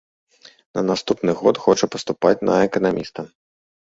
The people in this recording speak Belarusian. На наступны год хоча паступаць на эканаміста.